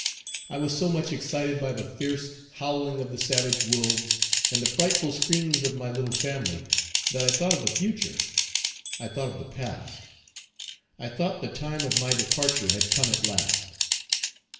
I was so much excited by the fierce howling of the savage wolves, and the frightful screams of my little family, that I thought of the future; I thought of the past; I thought the time of my departure had come at last.